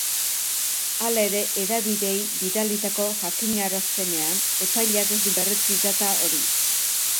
Hala ere, hedabideei bidalitako jakinarazpenean, epaileak ez du berretsi data hori.